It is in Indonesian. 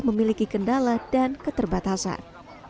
memiliki kendala dan keterbatasan